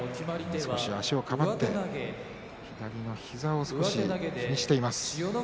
少し足をかばって左の膝を少し気にしています。